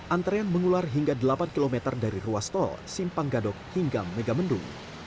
antrean mengular hingga delapan km dari ruas tol simpang gadok hingga megamendung